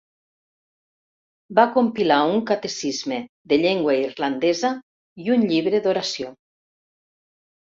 Va compilar un catecisme de llengua irlandesa i un llibre d'oració.